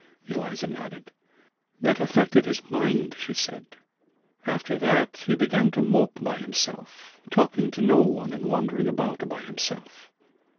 Eliza nodded. "That affected his mind," she said. "After that he began to mope by himself, talking to no one and wandering about by himself.